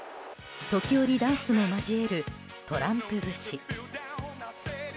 時折ダンスも交えるトランプ節。